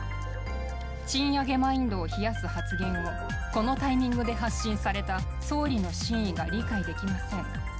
賃上げマインドを冷やす発言をこのタイミングで発信された総理の真意が理解できません。